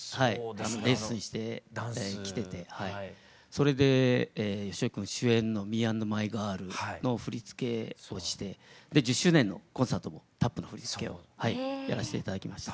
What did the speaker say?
それで芳雄君主演の「ミー＆マイガール」の振り付けをして１０周年のコンサートもタップの振付をやらせて頂きました。